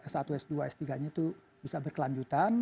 saat s dua s tiga nya itu bisa berkelanjutan